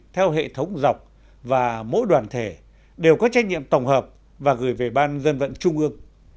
theo hệ thống dọc và mỗi đoàn thể đều có trách nhiệm tổng hợp và gửi về ban dân vận trung ương